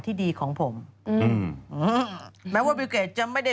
พี่ชอบแซงไหลทางอะเนาะ